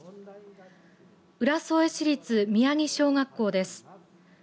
浦添市立宮城小学校です。